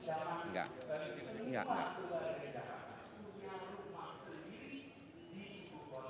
kasihan untuk kita yang pada bekas penampilan